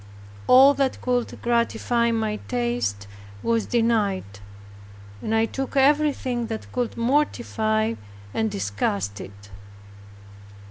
All that could gratify my taste was denied and I took everything that could mortify and disgust it.